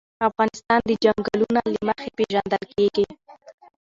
افغانستان د چنګلونه له مخې پېژندل کېږي.